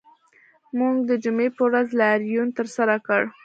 موږ د جمعې په ورځ لاریون ترسره کړ